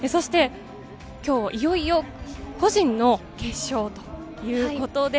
今日いよいよ個人の決勝ということです。